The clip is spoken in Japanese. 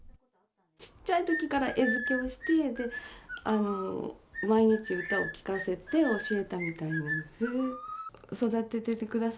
ちっちゃいときから餌付けをして、毎日、歌を聴かせて教えていたみたいなんです。